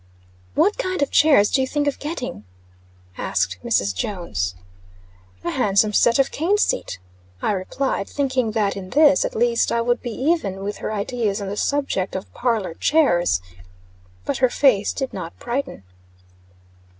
"What kind of chairs did you think of getting?" asked Mrs. Jones. "A handsome set of cane seat," I replied, thinking that in this, at least, I would be even with her ideas on the subject of parlor chairs. But her face did not brighten.